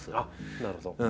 なるほど。